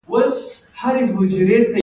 د افغانستان یاد په شعرونو کې دی